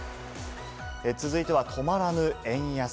続いては止まらぬ円安。